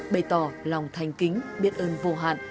bày tỏ lòng thành kính biết ơn vô hạn